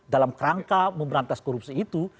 dalam kerangka memberantas korupsi itu